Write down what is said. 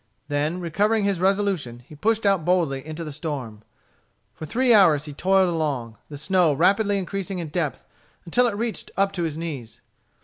Then recovering his resolution, he pushed out boldly into the storm. For three hours he toiled along, the snow rapidly increasing in depth until it reached up to his knees.